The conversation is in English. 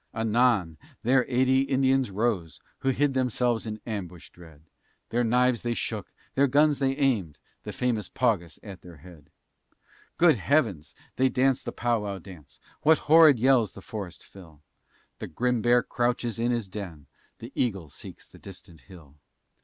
Anon, there eighty Indians rose, Who'd hid themselves in ambush dread; Their knives they shook, their guns they aimed, The famous Paugus at their head. Good heavens! they dance the Powow dance, What horrid yells the forest fill? The grim bear crouches in his den, The eagle seeks the distant hill.